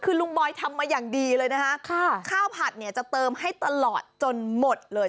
คือลุงบอยทำมาอย่างดีเลยนะคะข้าวผัดเนี่ยจะเติมให้ตลอดจนหมดเลย